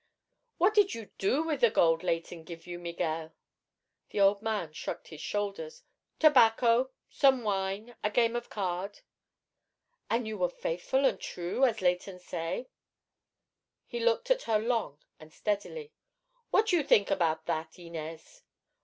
"What did you do with the gold Leighton give you, Miguel?" The old man shrugged his shoulders. "Tobacco. Some wine. A game of card." "An' were you faithful an' true, as Leighton say?" He looked at her long and steadily. "What you theenk about that, Inez?"